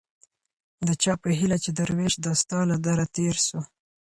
د چا په هيله چي دروېش دا ستا له دره تېر سو